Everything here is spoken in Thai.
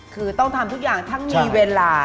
คือต้องทำทุกอย่างทั้งมีเวลา